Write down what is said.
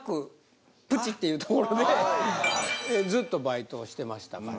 っていうところでずっとバイトしてましたから。